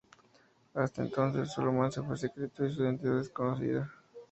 Hasta entonces, su romance fue secreto y su identidad desconocida.